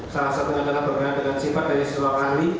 salah satunya adalah berkaitan dengan sifat dari siswa ahli